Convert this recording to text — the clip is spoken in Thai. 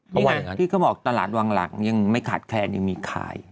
เพราะว่าที่เขาบอกตลาดวังหลังยังไม่ขาดแคลนยังมีขาย